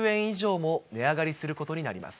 以上も値上がりすることになり